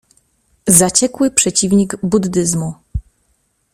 Zaciekły przeciwnik buddyzmu.